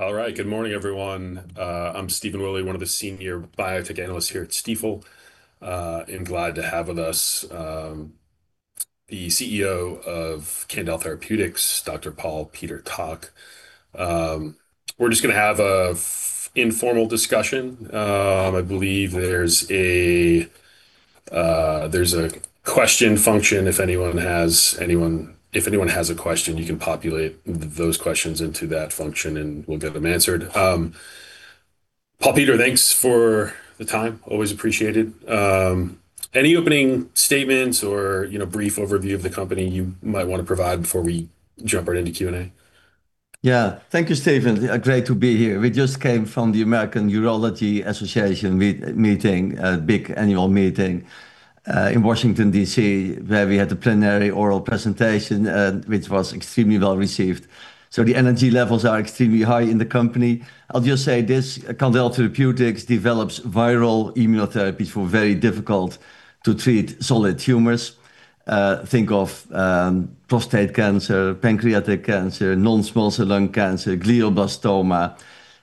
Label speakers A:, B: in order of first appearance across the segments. A: All right. Good morning, everyone. I'm Stephen Willey, one of the Senior Biotech Analyst here at Stifel. I'm glad to have with us, the CEO of Candel Therapeutics, Dr. Paul Peter Tak. We're just going to have an informal discussion. I believe there's a question function. If anyone has a question, you can populate those questions into that function, and we'll get them answered. Paul Peter, thanks for the time. Always appreciated. Any opening statements or brief overview of the company you might want to provide before we jump right into Q&A?
B: Thank you, Stephen. Great to be here. We just came from the American Urological Association big annual meeting in Washington, D.C. where we had the plenary oral presentation, which was extremely well-received. The energy levels are extremely high in the company. I'll just say this, Candel Therapeutics develops viral immunotherapies for very difficult to treat solid tumors. Think of prostate cancer, pancreatic cancer, non-small cell lung cancer, glioblastoma.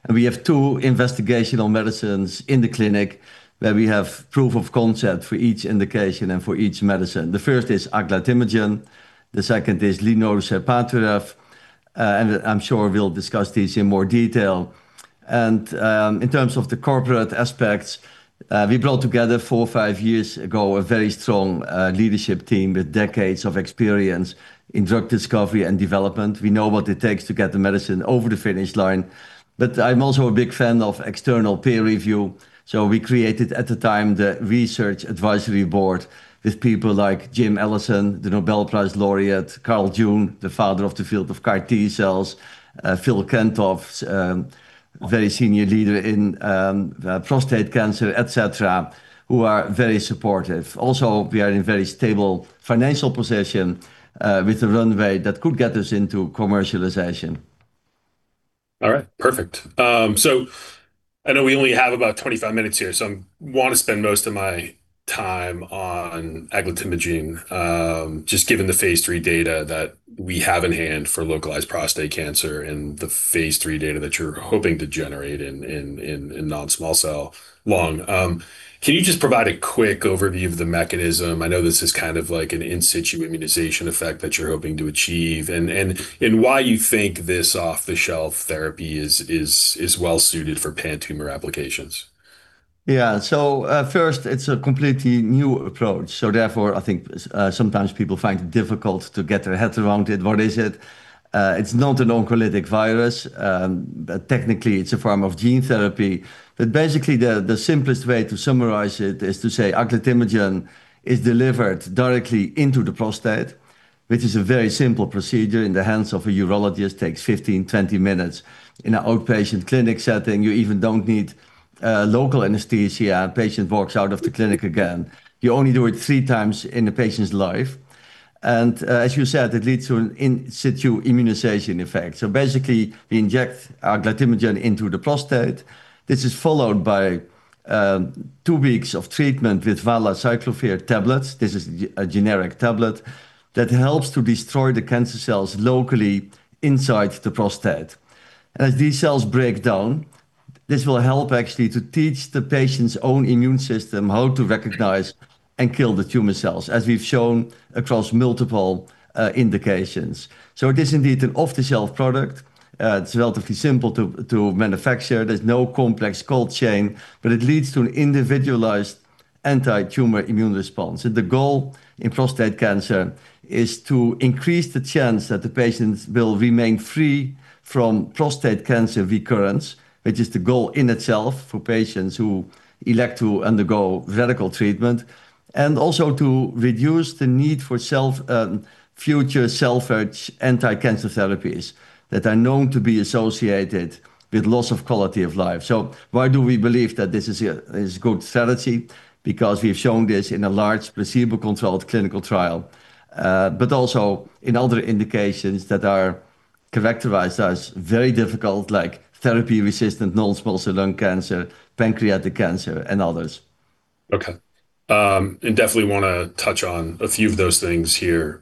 B: We have two investigational medicines in the clinic where we have proof of concept for each indication and for each medicine. The first is aglatimagene, the second is linoserpaturev. I'm sure we'll discuss these in more detail. In terms of the corporate aspects, we brought together four, five years ago, a very strong leadership team with decades of experience in drug discovery and development. We know what it takes to get the medicine over the finish line. I'm also a big fan of external peer review, we created, at the time, the research advisory board with people like James Allison, the Nobel Prize Laureate, Carl June, the father of the field of CAR T-cells, Philip Kantoff, very senior leader in prostate cancer, et cetera, who are very supportive. We are in very stable financial position, with a runway that could get us into commercialization.
A: All right. Perfect. I know we only have about 25 minutes here, so I want to spend most of my time on aglatimagene. Just given the phase III data that we have in hand for localized prostate cancer and the phase III data that you're hoping to generate in non-small cell lung. Can you just provide a quick overview of the mechanism? I know this is kind of like an in situ immunization effect that you're hoping to achieve and why you think this off-the-shelf therapy is well-suited for pan-tumor applications.
B: Yeah. First, it's a completely new approach, so therefore, I think sometimes people find it difficult to get their heads around it. What is it? It's not an oncolytic virus, but technically it's a form of gene therapy. Basically, the simplest way to summarize it is to say aglatimagene is delivered directly into the prostate, which is a very simple procedure in the hands of a urologist, takes 15, 20 minutes. In an outpatient clinic setting, you even don't need local anesthesia. A patient walks out of the clinic again. You only do it three times in a patient's life. As you said, it leads to an in situ immunization effect. Basically, we inject aglatimagene into the prostate. This is followed by two weeks of treatment with valacyclovir tablets. This is a generic tablet that helps to destroy the cancer cells locally inside the prostate. As these cells break down, this will help actually to teach the patient's own immune system how to recognize and kill the tumor cells, as we've shown across multiple indications. It is indeed an off-the-shelf product. It's relatively simple to manufacture. There's no complex cold chain, but it leads to an individualized anti-tumor immune response. The goal in prostate cancer is to increase the chance that the patients will remain free from prostate cancer recurrence, which is the goal in itself for patients who elect to undergo radical treatment. Also to reduce the need for future self-administered anticancer therapies that are known to be associated with loss of quality of life. Why do we believe that this is a good strategy? We've shown this in a large placebo-controlled clinical trial, but also in other indications that are characterized as very difficult, like therapy-resistant non-small cell lung cancer, pancreatic cancer, and others.
A: Okay. Definitely want to touch on a few of those things here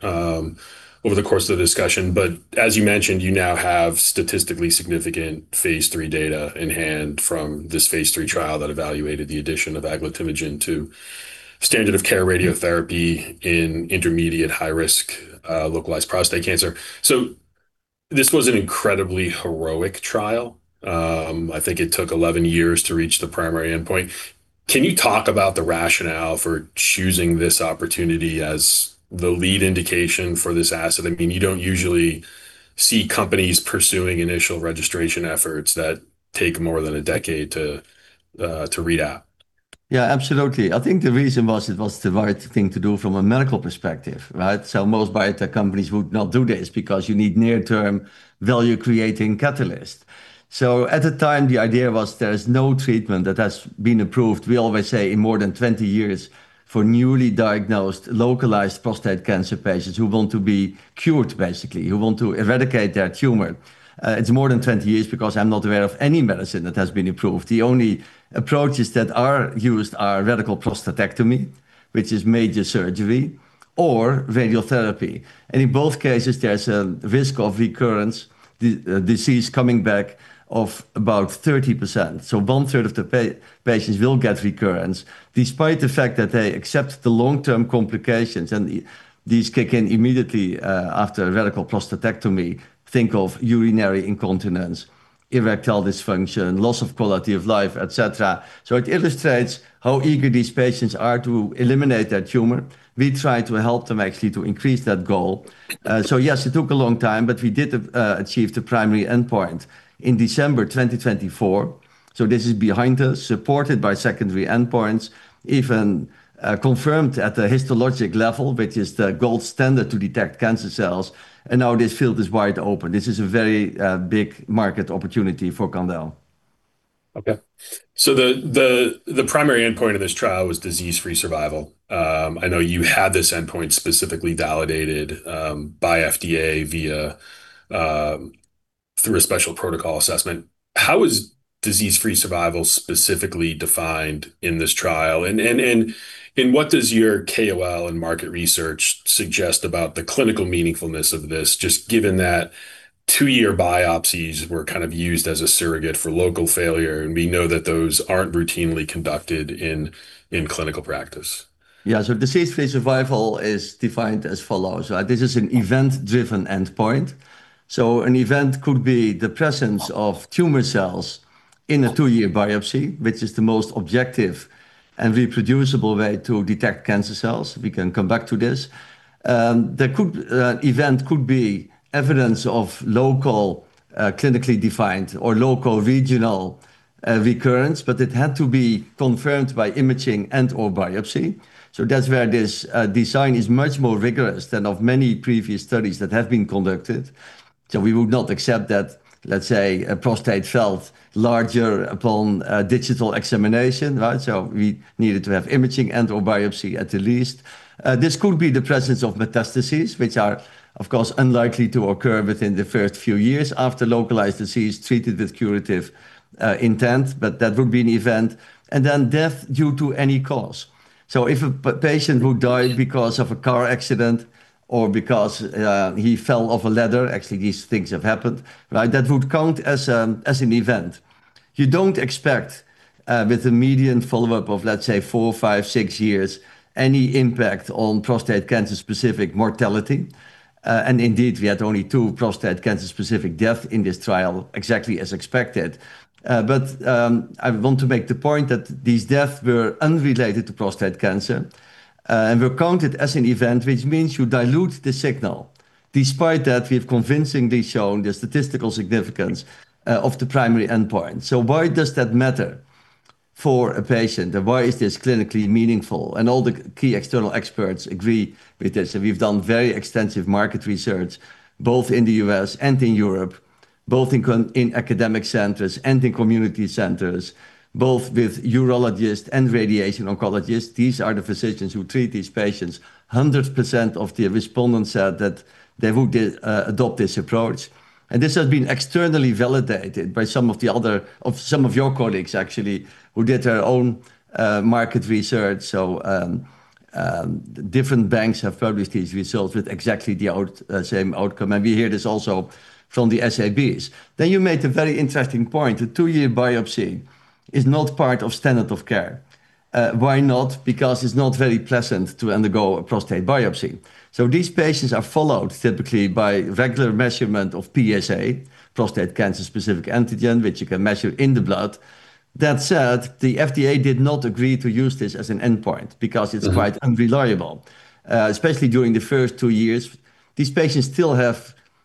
A: over the course of the discussion. As you mentioned, you now have statistically significant phase III data in hand from this phase III trial that evaluated the addition of aglatimagene to standard of care radiotherapy in intermediate high risk localized prostate cancer. This was an incredibly heroic trial. I think it took 11 years to reach the primary endpoint. Can you talk about the rationale for choosing this opportunity as the lead indication for this asset? You don't usually see companies pursuing initial registration efforts that take more than a decade to read out.
B: Yeah, absolutely. I think the reason was it was the right thing to do from a medical perspective, right? Most biotech companies would not do this because you need near-term value-creating catalyst. At the time, the idea was there is no treatment that has been approved, we always say, in more than 20 years for newly diagnosed localized prostate cancer patients who want to be cured, basically, who want to eradicate their tumor. It's more than 20 years because I'm not aware of any medicine that has been approved. The only approaches that are used are radical prostatectomy, which is major surgery or radiotherapy. In both cases, there's a risk of recurrence, the disease coming back of about 30%. One-third of the patients will get recurrence despite the fact that they accept the long-term complications, and these kick in immediately after a radical prostatectomy. Think of urinary incontinence, erectile dysfunction, loss of quality of life, et cetera. It illustrates how eager these patients are to eliminate that tumor. We try to help them actually to increase that goal. Yes, it took a long time, but we did achieve the primary endpoint in December 2024. This is behind us, supported by secondary endpoints, even confirmed at the histologic level, which is the gold standard to detect cancer cells. Now this field is wide open. This is a very big market opportunity for Candel.
A: The primary endpoint of this trial was disease-free survival. I know you had this endpoint specifically validated by FDA through a special protocol assessment. How is disease-free survival specifically defined in this trial? What does your KOL and market research suggest about the clinical meaningfulness of this, just given that two-year biopsies were kind of used as a surrogate for local failure, and we know that those aren't routinely conducted in clinical practice?
B: Yeah. disease-free survival is defined as follows. This is an event-driven endpoint. An event could be the presence of tumor cells in a two-year biopsy, which is the most objective and reproducible way to detect cancer cells. We can come back to this. The event could be evidence of local, clinically defined, or locoregional recurrence, but it had to be confirmed by imaging and/or biopsy. That's where this design is much more rigorous than of many previous studies that have been conducted. We would not accept that, let's say, a prostate felt larger upon digital examination, right? We needed to have imaging and/or biopsy at the least. This could be the presence of metastases, which are, of course, unlikely to occur within the first few years after localized disease treated with curative intent, but that would be an event. Then death due to any cause. If a patient who died because of a car accident or because he fell off a ladder, actually, these things have happened, that would count as an event. You don't expect, with a median follow-up of, let's say, four, five, six years, any impact on prostate cancer-specific mortality. Indeed, we had only two prostate cancer-specific death in this trial, exactly as expected. I want to make the point that these deaths were unrelated to prostate cancer and were counted as an event, which means you dilute the signal. Despite that, we've convincingly shown the statistical significance of the primary endpoint. Why does that matter for a patient? Why is this clinically meaningful? All the key external experts agree with this. We've done very extensive market research, both in the U.S. and in Europe, both in academic centers and in community centers, both with urologists and radiation oncologists. These are the physicians who treat these patients. 100% of the respondents said that they would adopt this approach. This has been externally validated by some of your colleagues, actually, who did their own market research. Different banks have published these results with exactly the same outcome. We hear this also from the SABs. You made a very interesting point. The two-year biopsy is not part of standard of care. Why not? Because it's not very pleasant to undergo a prostate biopsy. These patients are followed typically by regular measurement of PSA, prostate cancer-specific antigen, which you can measure in the blood. The FDA did not agree to use this as an endpoint because it's quite unreliable, especially during the first two years. These patients still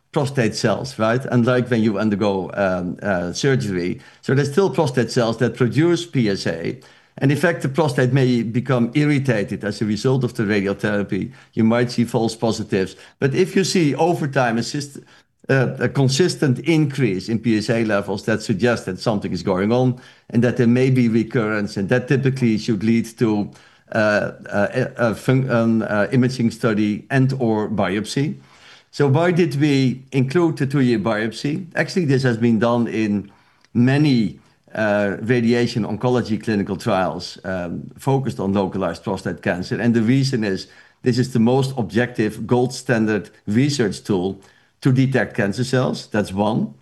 B: have prostate cells, right? Unlike when you undergo surgery. There's still prostate cells that produce PSA, and in fact, the prostate may become irritated as a result of the radiotherapy. You might see false positives. If you see over time a consistent increase in PSA levels, that suggests that something is going on, and that there may be recurrence, and that typically should lead to an imaging study and/or biopsy. Why did we include the two-year biopsy? Actually, this has been done in many radiation oncology clinical trials focused on localized prostate cancer. The reason is, this is the most objective gold standard research tool to detect cancer cells. That's one.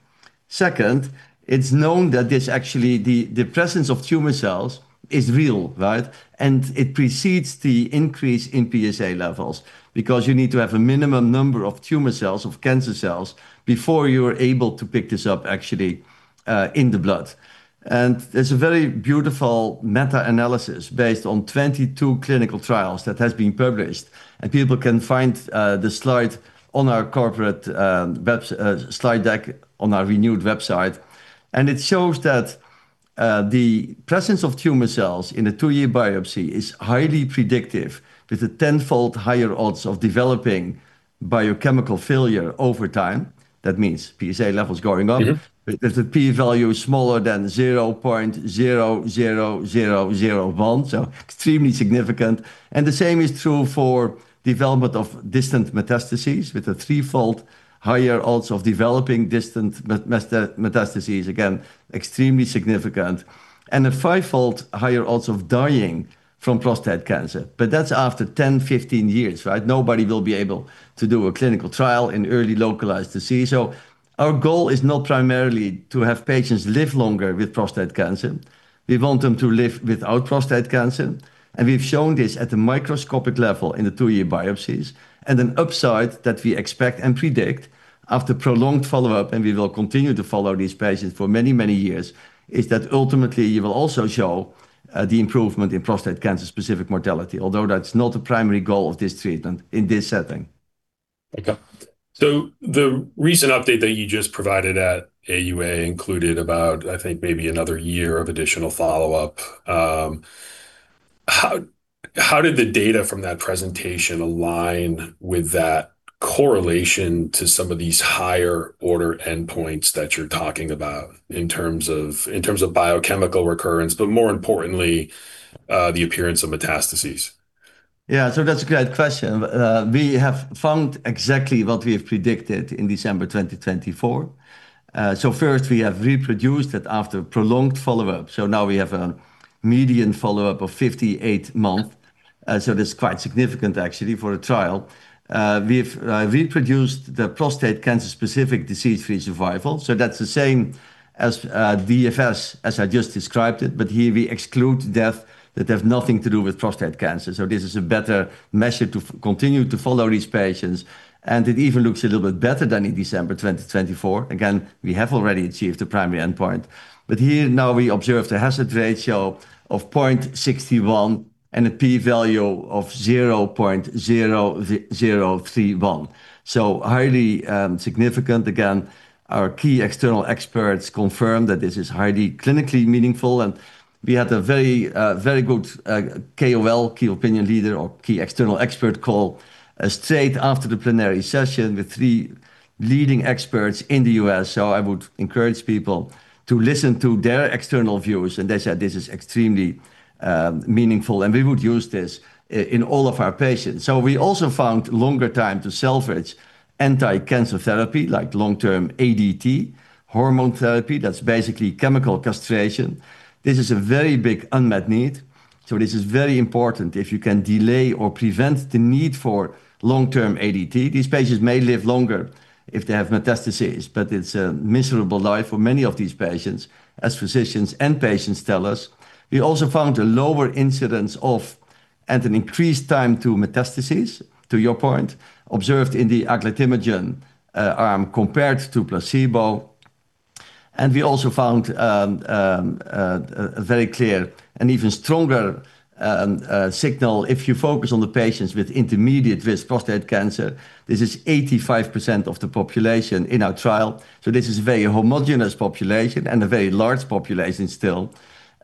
B: Second, it's known that this actually, the presence of tumor cells is real, right? It precedes the increase in PSA levels because you need to have a minimum number of tumor cells, of cancer cells before you are able to pick this up, actually, in the blood. There's a very beautiful meta-analysis based on 22 clinical trials that has been published, and people can find the slide on our corporate slide deck on our renewed website. It shows that the presence of tumor cells in a two-year biopsy is highly predictive, with a 10-fold higher odds of developing biochemical failure over time. That means PSA levels going up. If the P value is smaller than 0.00001, extremely significant. The same is true for development of distant metastases with a threefold higher odds of developing distant metastases. Again, extremely significant, a fivefold higher odds of dying from prostate cancer. That's after 10, 15 years, right? Nobody will be able to do a clinical trial in early localized disease. Our goal is not primarily to have patients live longer with prostate cancer. We want them to live without prostate cancer, and we've shown this at the microscopic level in the two-year biopsies. An upside that we expect and predict after prolonged follow-up, and we will continue to follow these patients for many, many years, is that ultimately you will also show the improvement in prostate cancer-specific mortality, although that's not the primary goal of this treatment in this setting.
A: Okay. The recent update that you just provided at AUA included about, I think maybe another year of additional follow-up. How did the data from that presentation align with that correlation to some of these higher order endpoints that you're talking about in terms of biochemical recurrence, but more importantly, the appearance of metastases?
B: Yeah. That's a great question. We have found exactly what we have predicted in December 2024. First, we have reproduced it after prolonged follow-up. Now we have a median follow-up of 58 months. It is quite significant actually for a trial. We've reproduced the prostate cancer-specific disease-free survival. That's the same as DFS as I just described it, but here we exclude death that have nothing to do with prostate cancer. This is a better measure to continue to follow these patients, and it even looks a little bit better than in December 2024. Again, we have already achieved the primary endpoint. Here now we observe the hazard ratio of 0.61 and a p-value of 0.0031. Highly significant. Our key external experts confirm that this is highly clinically meaningful, and we had a very good KOL, key opinion leader or key external expert call straight after the plenary session with three leading experts in the U.S. I would encourage people to listen to their external views, and they said this is extremely meaningful, and we would use this in all of our patients. We also found longer time to salvage anti-cancer therapy like long-term ADT, hormone therapy, that's basically chemical castration. This is a very big unmet need. This is very important if you can delay or prevent the need for long-term ADT. These patients may live longer if they have metastases, but it's a miserable life for many of these patients, as physicians and patients tell us. We also found a lower incidence of and an increased time to metastases, to your point, observed in the aglatimagene arm compared to placebo. We also found a very clear and even stronger signal if you focus on the patients with intermediate-risk prostate cancer. This is 85% of the population in our trial, so this is a very homogenous population and a very large population still.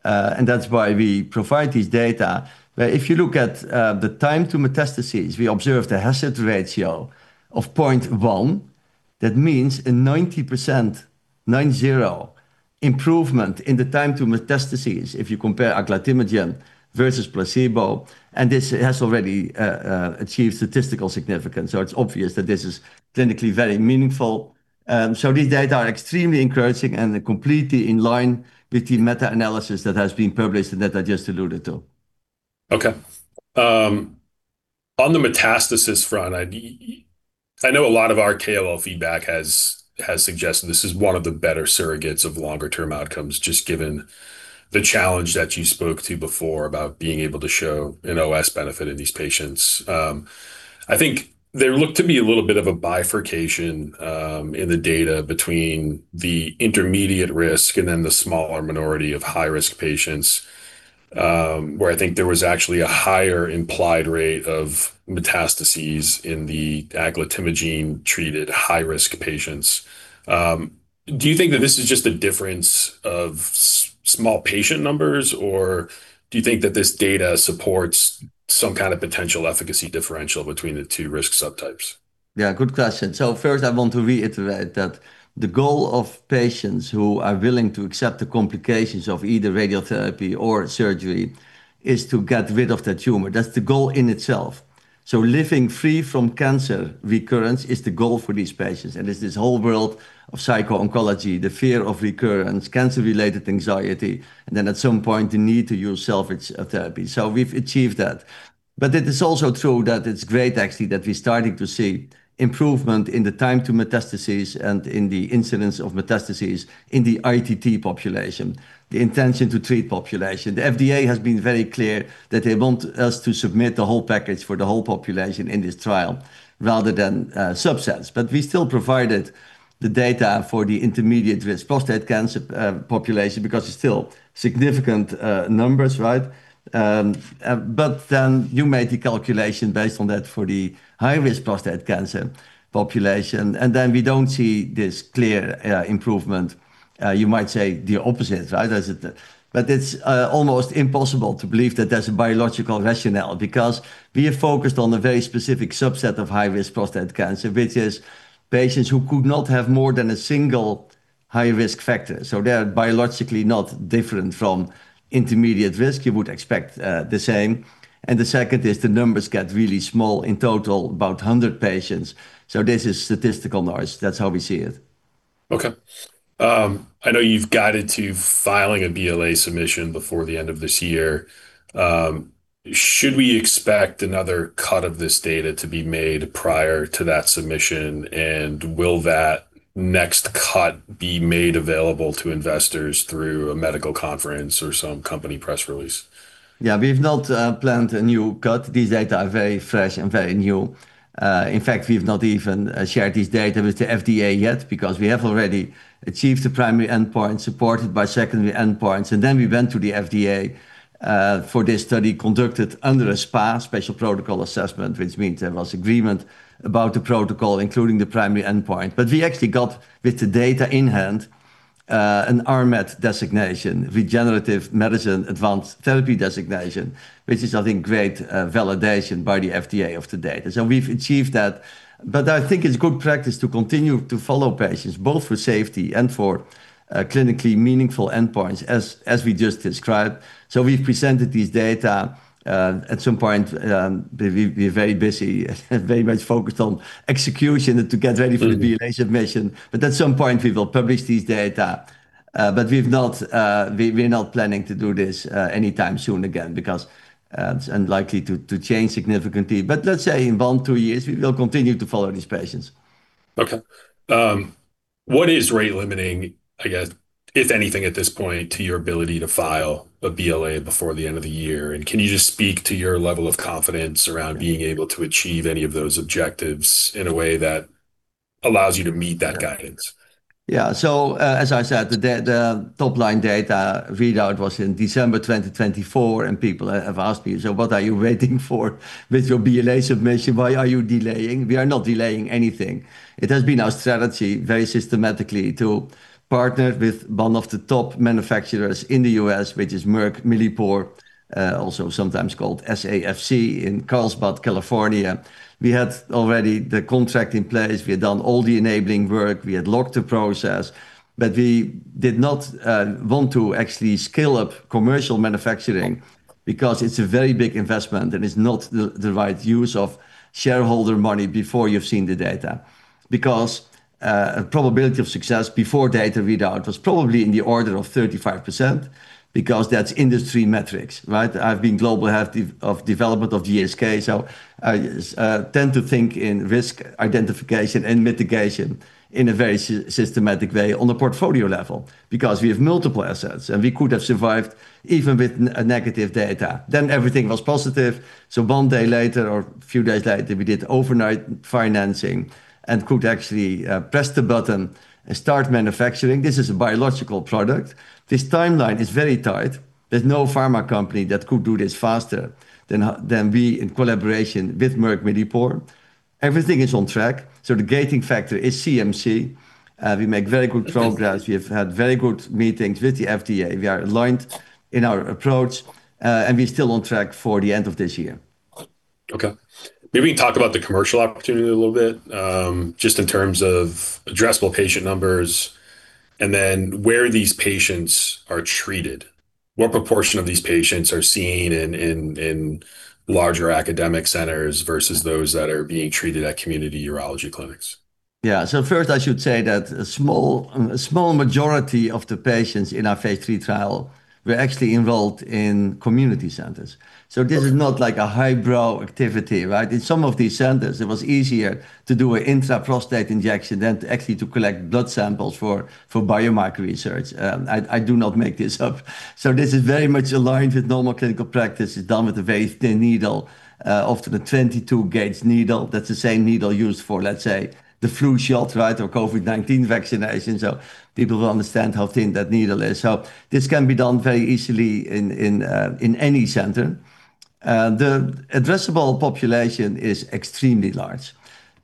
B: That's why we provide this data, where if you look at the time to metastases, we observe the hazard ratio of 0.1. That means a 90%, 90, improvement in the time to metastases if you compare aglatimagene versus placebo, and this has already achieved statistical significance. It's obvious that this is clinically very meaningful. These data are extremely encouraging and completely in line with the meta-analysis that has been published and that I just alluded to.
A: Okay. On the metastasis front, I know a lot of our KOL feedback has suggested this is one of the better surrogates of longer-term outcomes, just given the challenge that you spoke to before about being able to show an OS benefit in these patients. I think there looked to be a little bit of a bifurcation in the data between the intermediate risk and then the smaller minority of high-risk patients, where I think there was actually a higher implied rate of metastases in the aglatimagene-treated high-risk patients. Do you think that this is just a difference of small patient numbers, or do you think that this data supports some kind of potential efficacy differential between the two risk subtypes?
B: Yeah, good question. First, I want to reiterate that the goal of patients who are willing to accept the complications of either radiotherapy or surgery is to get rid of that tumor. That's the goal in itself. Living free from cancer recurrence is the goal for these patients, and it's this whole world of psycho-oncology, the fear of recurrence, cancer-related anxiety, and then at some point, the need to use salvage therapy. We've achieved that. It is also true that it's great actually that we're starting to see improvement in the time to metastases and in the incidence of metastases in the ITT population, the intention to treat population. The FDA has been very clear that they want us to submit the whole package for the whole population in this trial rather than subsets. We still provided the data for the intermediate-risk prostate cancer population because it's still significant numbers, right? Then you made the calculation based on that for the high-risk prostate cancer population, and then we don't see this clear improvement. You might say the opposite, right? It's almost impossible to believe that there's a biological rationale because we are focused on a very specific subset of high-risk prostate cancer, which is patients who could not have more than a single high-risk factor. They are biologically not different from intermediate risk. You would expect the same. The second is the numbers get really small in total, about 100 patients. This is statistical noise. That's how we see it.
A: Okay. I know you've guided to filing a BLA submission before the end of this year. Should we expect another cut of this data to be made prior to that submission, and will that next cut be made available to investors through a medical conference or some company press release?
B: We've not planned a new cut. These data are very fresh and very new. We've not even shared this data with the FDA yet because we have already achieved the primary endpoint supported by secondary endpoints. We went to the FDA, for this study, conducted under a SPA, special protocol assessment, which means there was agreement about the protocol, including the primary endpoint. We actually got, with the data in hand, an RMAT designation, regenerative medicine advanced therapy designation, which is, I think, great validation by the FDA of the data. We've achieved that. I think it's good practice to continue to follow patients, both for safety and for clinically meaningful endpoints, as we just described. We've presented these data. At some point, we're very busy, very much focused on execution to get ready for the BLA submission, but at some point, we will publish these data. We're not planning to do this anytime soon again, because it's unlikely to change significantly. Let's say in one, two years, we will continue to follow these patients.
A: Okay. What is rate-limiting, I guess, if anything at this point, to your ability to file a BLA before the end of the year, and can you just speak to your level of confidence around being able to achieve any of those objectives in a way that allows you to meet that guidance?
B: Yeah. As I said, the top-line data readout was in December 2024, people have asked me, "What are you waiting for with your BLA submission? Why are you delaying?" We are not delaying anything. It has been our strategy very systematically to partner with one of the top manufacturers in the U.S., which is Millipore, also sometimes called SAFC in Carlsbad, California. We had already the contract in place. We had done all the enabling work. We had locked the process. We did not want to actually scale up commercial manufacturing because it's a very big investment, and it's not the right use of shareholder money before you've seen the data. Probability of success before data readout was probably in the order of 35% because that's industry metrics, right? I've been global head of development of GSK, so I tend to think in risk identification and mitigation in a very systematic way on the portfolio level because we have multiple assets, and we could have survived even with negative data. Everything was positive, so one day later or a few days later, we did overnight financing and could actually press the button and start manufacturing. This is a biological product. This timeline is very tight. There's no pharma company that could do this faster than we in collaboration with Millipore. Everything is on track. The gating factor is CMC. We make very good progress. We have had very good meetings with the FDA. We are aligned in our approach, and we're still on track for the end of this year.
A: Okay. Maybe talk about the commercial opportunity a little bit, just in terms of addressable patient numbers and then where these patients are treated. What proportion of these patients are seen in larger academic centers versus those that are being treated at community urology clinics?
B: First, I should say that a small majority of the patients in our phase III trial were actually enrolled in community centers. This is not like a highbrow activity, right? In some of these centers, it was easier to do an intra-prostate injection than to actually collect blood samples for biomarker research. I do not make this up. This is very much aligned with normal clinical practice, is done with a very thin needle, often a 22-gauge needle. That's the same needle used for, let's say, the flu shot, right, or COVID-19 vaccination. People will understand how thin that needle is. This can be done very easily in any center. The addressable population is extremely large.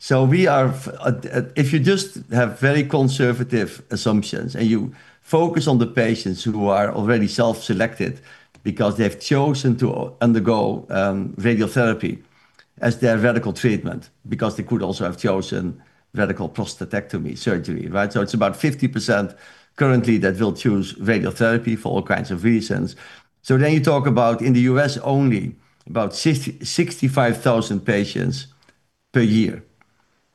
B: If you just have very conservative assumptions and you focus on the patients who are already self-selected because they have chosen to undergo radiotherapy as their radical treatment, because they could also have chosen radical prostatectomy surgery, right? It's about 50% currently that will choose radiotherapy for all kinds of reasons. You talk about, in the U.S. only, about 65,000 patients per year.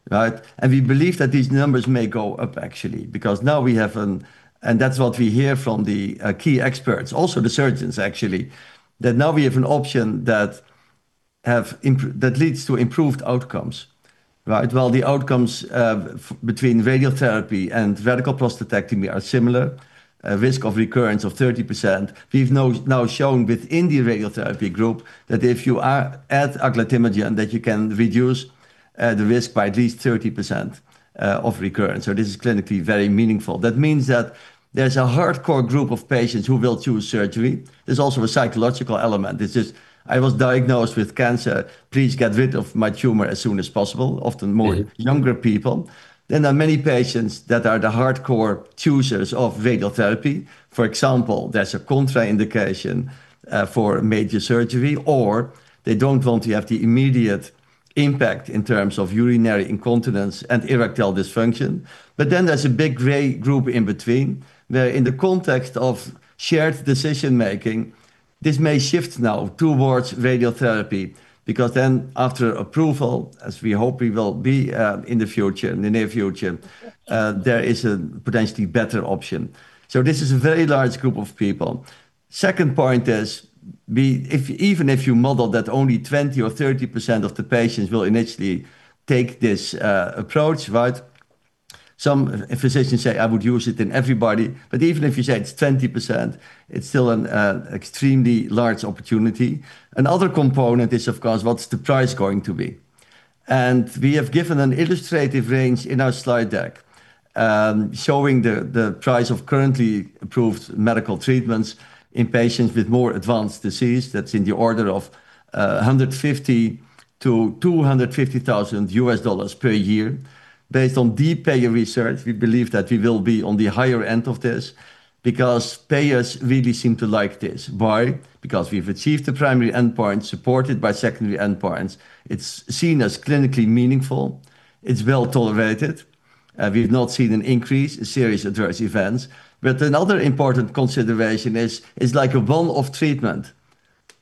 B: Right? We believe that these numbers may go up actually, because now we have and that's what we hear from the key experts, also the surgeons actually, that now we have an option that leads to improved outcomes. Right? While the outcomes between radiotherapy and radical prostatectomy are similar, a risk of recurrence of 30%, we've now shown within the radiotherapy group that if you add aglatimagene, that you can reduce the risk by at least 30% of recurrence. This is clinically very meaningful. That means that there's a hardcore group of patients who will choose surgery. There's also a psychological element. This is, "I was diagnosed with cancer, please get rid of my tumor as soon as possible.
A: Yeah
B: younger people. There are many patients that are the hardcore choosers of radiotherapy. For example, there's a contraindication for major surgery, or they don't want to have the immediate impact in terms of urinary incontinence and erectile dysfunction. There's a big gray group in between, where in the context of shared decision-making, this may shift now towards radiotherapy, because then after approval, as we hope we will be in the near future, there is a potentially better option. This is a very large group of people. Second point is, even if you model that only 20% or 30% of the patients will initially take this approach, right? Some physicians say, "I would use it in everybody," but even if you say it's 20%, it's still an extremely large opportunity. Another component is, of course, what's the price going to be? We have given an illustrative range in our slide deck, showing the price of currently approved medical treatments in patients with more advanced disease. That's in the order of $150,000-$250,000 per year. Based on deep payer research, we believe that we will be on the higher end of this, because payers really seem to like this. Why? Because we've achieved the primary endpoint supported by secondary endpoints. It's seen as clinically meaningful. It's well-tolerated. We've not seen an increase in serious adverse events. Another important consideration is, it's like a one-off treatment,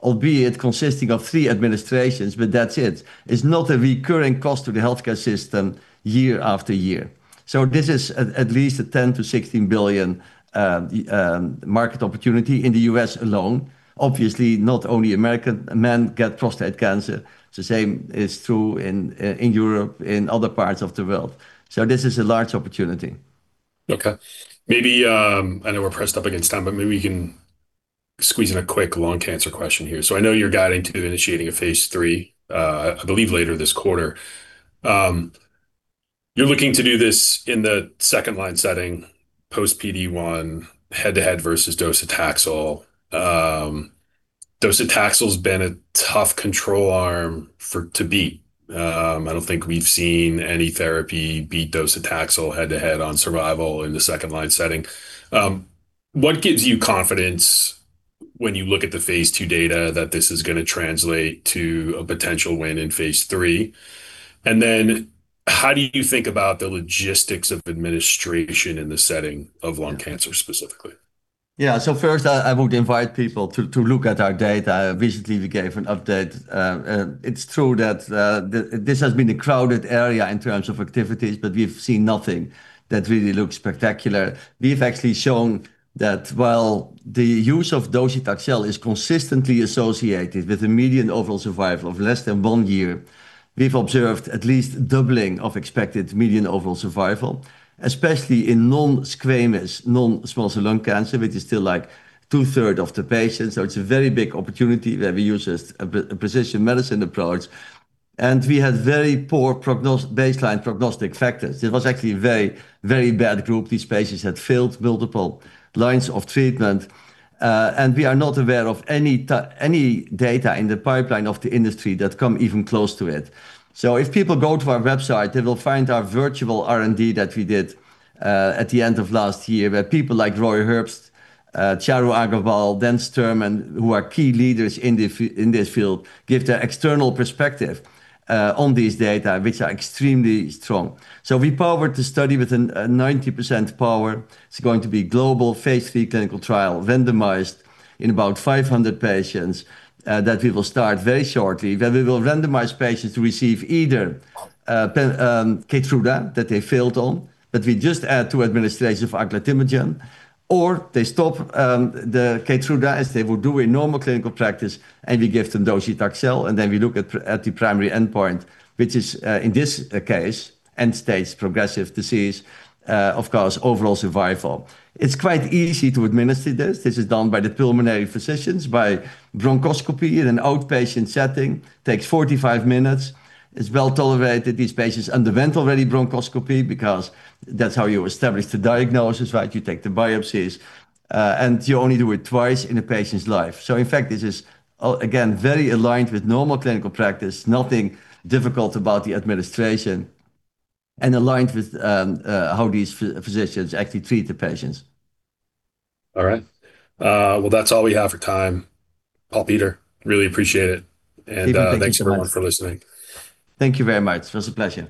B: albeit consisting of three administrations, but that's it. It's not a recurring cost to the healthcare system year-after-year. This is at least a $10 billion-$16 billion market opportunity in the U.S. alone. Obviously, not only American men get prostate cancer. The same is true in Europe, in other parts of the world. This is a large opportunity.
A: I know we're pressed up against time, maybe we can squeeze in a quick lung cancer question here. I know you're guiding to initiating a phase III, I believe later this quarter. You're looking to do this in the second-line setting, post PD-1, head-to-head versus docetaxel. Docetaxel's been a tough control arm to beat. I don't think we've seen any therapy beat docetaxel head-to-head on survival in the second-line setting. What gives you confidence when you look at the phase II data that this is going to translate to a potential win in phase III? How do you think about the logistics of administration in the setting of lung cancer specifically?
B: First, I would invite people to look at our data. Recently we gave an update. It's true that this has been a crowded area in terms of activities, but we've seen nothing that really looks spectacular. We've actually shown that while the use of docetaxel is consistently associated with a median overall survival of less than one year, we've observed at least doubling of expected median overall survival, especially in non-squamous, non-small cell lung cancer, which is still 2/3 of the patients. It's a very big opportunity where we use a precision medicine approach. We had very poor baseline prognostic factors. It was actually a very bad group. These patients had failed multiple lines of treatment. We are not aware of any data in the pipeline of the industry that come even close to it. If people go to our website, they will find our virtual R&D that we did at the end of last year, where people like Roy Herbst, Charu Aggarwal, Daniel Sterman, who are key leaders in this field, give their external perspective on these data, which are extremely strong. We powered the study with a 90% power. It's going to be global phase III clinical trial, randomized in about 500 patients, that we will start very shortly, where we will randomize patients to receive either KEYTRUDA that they failed on, but we just add 2 administration of aglatimagene, or they stop the KEYTRUDA, as they would do in normal clinical practice, and we give them docetaxel, and then we look at the primary endpoint, which is, in this case, end-stage progressive disease, of course, overall survival. It's quite easy to administer this. This is done by the pulmonary physicians by bronchoscopy in an outpatient setting. Takes 45 minutes. It's well-tolerated. These patients underwent already bronchoscopy because that's how you establish the diagnosis, right? You take the biopsies. You only do it twice in a patient's life. In fact, this is, again, very aligned with normal clinical practice. Nothing difficult about the administration. Aligned with how these physicians actually treat the patients.
A: All right. Well, that's all we have for time. Paul Peter, really appreciate it.
B: Peter, thank you so much.
A: Thank you everyone for listening.
B: Thank you very much. It was a pleasure.